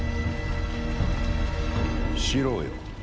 四郎よ。